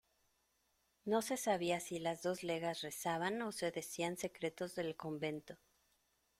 no se sabía si las dos legas rezaban ó se decían secretos del convento